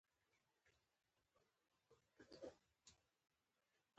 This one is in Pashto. د نیول شوو تصمیمونو تعقیب کول مهم دي.